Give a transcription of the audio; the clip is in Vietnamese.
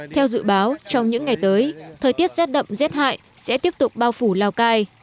theo dự báo trong những ngày tới thời tiết rét đậm rét hại sẽ tiếp tục bao phủ lào cai